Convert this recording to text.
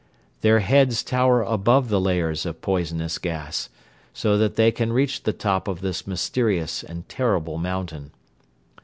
Their heads tower above the layers of poisonous gas, so that they can reach the top of this mysterious and terrible mountain.